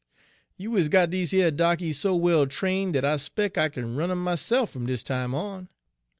You is got dese yer darkies so well train' dat I 'spec' I kin run em' myse'f fum dis time on.